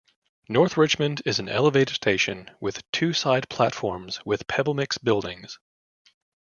North Richmond is an elevated station with two side platforms with pebblemix buildings.